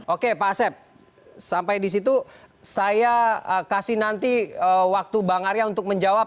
oke pak asep sampai di situ saya kasih nanti waktu bang arya untuk menjawab